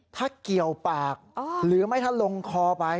ถ้าเกี่ยวปากหรือไม่ถ้าลงคอไป